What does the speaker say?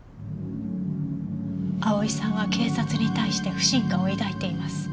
蒼さんは警察に対して不信感を抱いています。